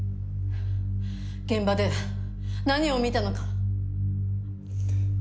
現場で何を見たのか。